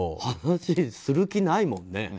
話する気ないもんね。